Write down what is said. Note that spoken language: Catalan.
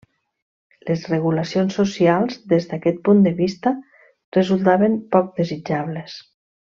Les regulacions socials, des d'aquest punt de vista, resultaven poc desitjables.